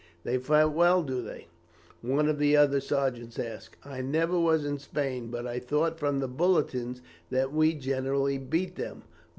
"They fight well, do they?" one of the other sergeants asked. "I never was in Spain, but I thought from the bulletins that we generally beat them."